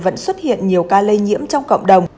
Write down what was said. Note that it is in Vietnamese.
vẫn xuất hiện nhiều ca lây nhiễm trong cộng đồng